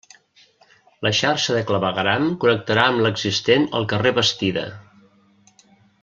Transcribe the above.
La xarxa de clavegueram connectarà amb l'existent al carrer Bastida.